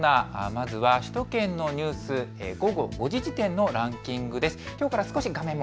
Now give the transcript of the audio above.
まずは首都圏のニュース、午後５時時点のランキングです。